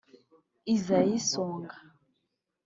Isaie Songa